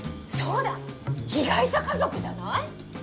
そうだ被害者家族じゃない？